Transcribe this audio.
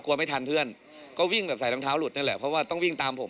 ไม่ทันเพื่อนก็วิ่งแบบใส่รองเท้าหลุดนั่นแหละเพราะว่าต้องวิ่งตามผม